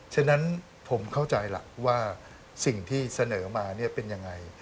ฉะนั้นผมเข้าใจล่ะว่าสิ่งที่เสนอมาเป็นยังไง